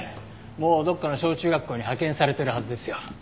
もうどこかの小中学校に派遣されてるはずですよ。